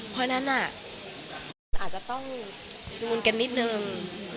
เพราะฉะนั้นอาจจะต้องชุนกันนิดนึง